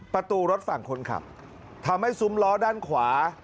ประตูรถฝั่งคนขับทำให้ซุ้มล้อด้านขวา